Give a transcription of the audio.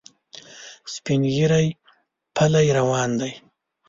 سپین ږیری پلی روان دی.